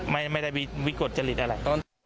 ไม่ได้วิกลจริตอะไร